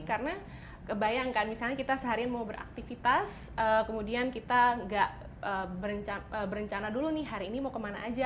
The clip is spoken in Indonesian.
karena bayangkan misalnya kita seharian mau beraktivitas kemudian kita tidak berencana dulu nih hari ini mau kemana saja